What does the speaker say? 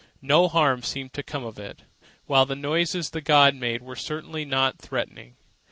No harm seemed to come of it, while the noises the gods made were certainly not threatening.